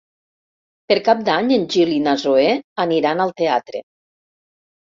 Per Cap d'Any en Gil i na Zoè aniran al teatre.